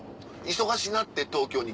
忙しなって東京に？